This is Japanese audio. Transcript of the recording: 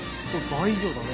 倍以上だね。